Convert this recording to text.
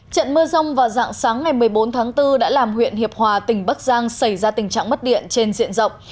trận mưa rông vào dạng sáng ngày một mươi bốn tháng bốn đã làm huyện hiệp hòa tỉnh bắc giang xảy ra tình trạng mất điện trên diện rộng